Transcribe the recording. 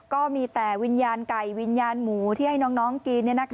ก็มีแต่วิญญาณไก่วิญญาณหมูที่ให้น้องกิน